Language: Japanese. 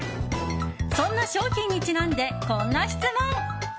そんな商品にちなんでこんな質問。